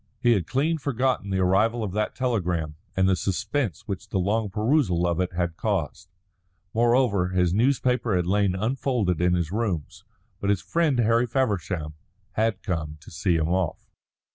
He had clean forgotten the arrival of that telegram and the suspense which the long perusal of it had caused. Moreover, his newspaper had lain unfolded in his rooms. But his friend Harry Feversham had come to see him off.